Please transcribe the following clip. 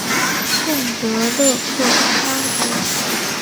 贡德勒克桑格。